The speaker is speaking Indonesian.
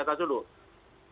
akan lihat data dulu